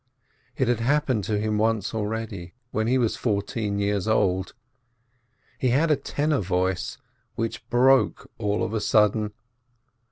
It had happened to him once already, when he was fourteen years old. He had a tenor voice, which broke all of a sudden.